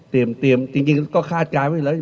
เตรียมจริงก็คาดการณ์ไม่ได้เลย